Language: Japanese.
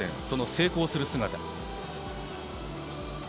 その成功する姿。